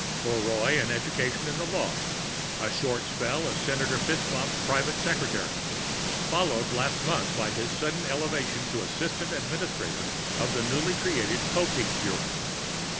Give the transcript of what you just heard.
For Roy, an education in the law, a short spell as Senator FitzMaugham's private secretary, followed last month by his sudden elevation to assistant administrator of the newly created Popeek Bureau.